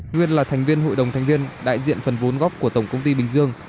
nguyên là thành viên hội đồng thành viên đại diện phần vốn góp của tổng công ty bình dương